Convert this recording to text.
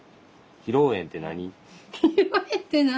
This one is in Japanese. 披露宴って何？